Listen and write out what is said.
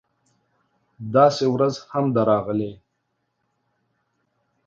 داسې ورځ هم ده راغلې